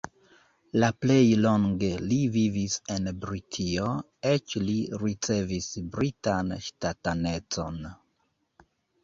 La plej longe li vivis en Britio, eĉ li ricevis britan ŝtatanecon.